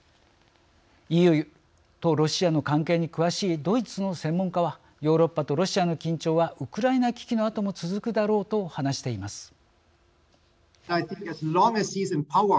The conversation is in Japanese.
ＥＵとロシアの関係に詳しいドイツの専門家はヨーロッパとロシアの緊張はウクライナ危機のあとも続くだろうと話しています。